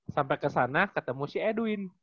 sampai ke sana ketemu si edwin